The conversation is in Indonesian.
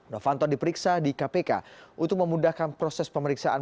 novanto diperiksa di kpk untuk memudahkan proses pemeriksaan